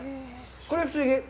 これ、不思議。